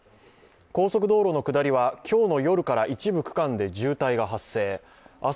高速道路の下りは今日の夜から一部区間で渋滞が発生明日